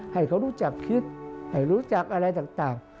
ให้เขารู้จักคิดให้รู้จักอะไรต่าง